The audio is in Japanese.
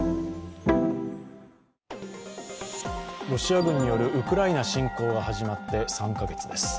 ロシア軍によるウクライナ侵攻が始まって３カ月です。